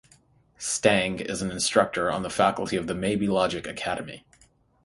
Stang is an instructor on the faculty of the Maybe Logic Academy.